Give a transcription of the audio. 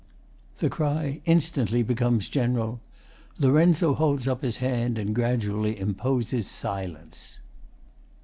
The cry instantly becomes general. LOR. holds up his hand and gradually imposes silence.